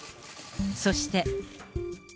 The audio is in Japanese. そして。